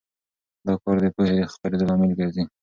دا کار د پوهې د خپرېدو لامل ګرځي.